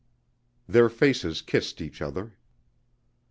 Their faces kissed each other.